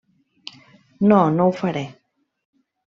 No, no ho faré.